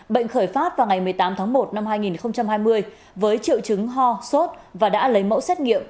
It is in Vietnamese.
bệnh khởi phát vào ngày một mươi tám tháng một năm hai nghìn hai mươi với triệu chứng ho sốt và đã lấy mẫu xét nghiệm